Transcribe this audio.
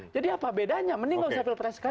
jadi apa bedanya mending nggak usah pilpres sekalian